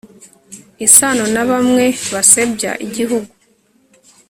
isano na bamwe basebya igihugu